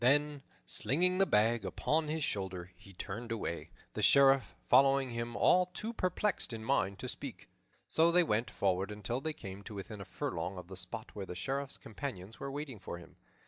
Then, slinging the bag upon his shoulder, he turned away, the Sheriff following him, all too perplexed in mind to speak. So they went forward until they came to within a furlong of the spot where the Sheriff's companions were waiting for him.